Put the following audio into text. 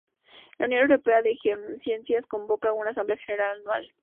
La Unión Europea de Geociencias convoca una Asamblea General anual.